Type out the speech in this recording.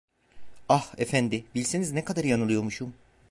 Ah, efendi, bilseniz ne kadar yanılıyormuşum.